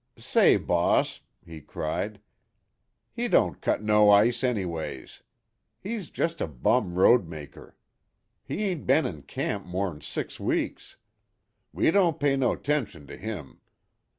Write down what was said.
"Say, boss," he cried, "he don't cut no ice, anyways. He's jest a bum roadmaker. He ain't bin in camp more'n six weeks. We don't pay no 'tention to him.